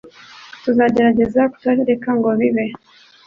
Tuzagerageza kutareka ngo bibe.